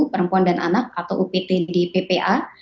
perempuan dan anak atau upt di ppa